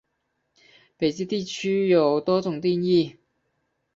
北极地区有多种定义。